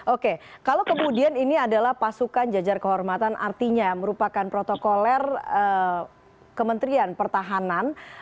oke kalau kemudian ini adalah pasukan jajar kehormatan artinya merupakan protokoler kementerian pertahanan